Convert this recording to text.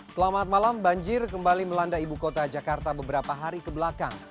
selamat malam banjir kembali melanda ibu kota jakarta beberapa hari kebelakang